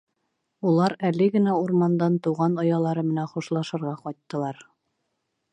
Улар әле генә урмандан тыуған оялары менән хушлашырға ҡайттылар.